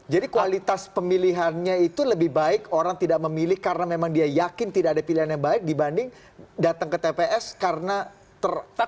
jadi kualitas pemilihannya itu lebih baik orang tidak memilih karena memang dia yakin tidak ada pilihan yang baik dibanding datang ke tps karena terpaksa